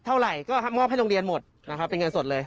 เท่าไหร่ก็มอบให้โรงเรียนหมดนะครับเป็นเงินสดเลย